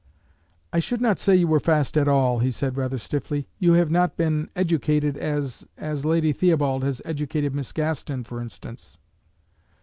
"I should not say you were fast at all," he said rather stiffly. "You have not been educated as as Lady Theobald has educated Miss Gaston, for instance."